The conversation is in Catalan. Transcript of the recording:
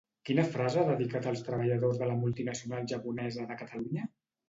Quina frase ha dedicat als treballadors de la multinacional japonesa de Catalunya?